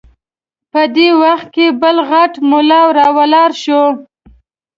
په دې وخت کې بل غټ ملا راولاړ شو.